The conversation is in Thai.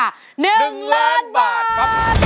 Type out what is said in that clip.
๑ล้านบาทครับ